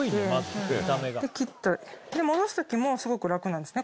で切って戻すときもすごく楽なんですね